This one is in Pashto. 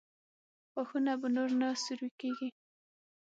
غاښونه به نور نه سوري کېږي؟